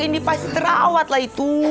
ini pasti terawat lah itu